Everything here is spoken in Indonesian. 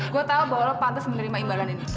gue tau bahwa lo pantas menerima imbalan ini